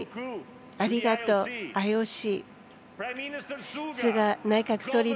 ありがとうＩＯＣ。